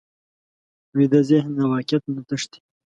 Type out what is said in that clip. ویده ذهن له واقعیت نه تښتي